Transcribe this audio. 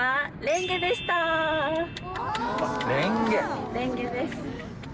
レンゲです。